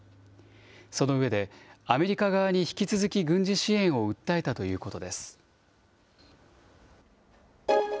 その上で、アメリカ側に引き続き軍事支援を訴えたということです。